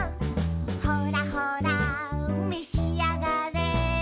「ほらほらめしあがれ」